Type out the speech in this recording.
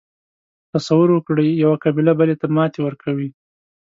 تصور وکړئ یوه قبیله بلې ته ماتې ورکوي.